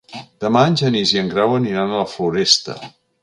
Demà en Genís i en Grau aniran a la Floresta.